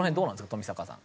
冨坂さん。